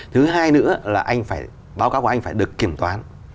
thứ hai nữa là anh phải báo cáo của anh phải được kiểm toán